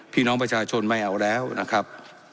พี่น้องประชาชนไม่เอาแล้วนะครับ